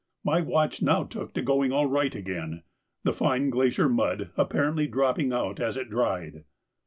My watch now took to going all right again, the fine glacier mud apparently dropping out as it dried.